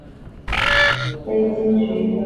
非经许可不得停泊和下锚。